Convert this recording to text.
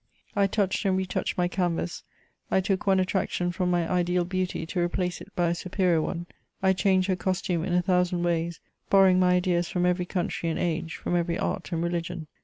I touched and retouched my eanvas ; I took one extraction from my ideal beauty to replace it by a superior one: I changed her costume in a thousand ways, borrowing my ideas from every country and age, from every art and religion.